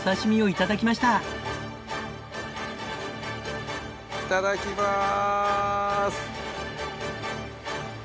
いただきまーす。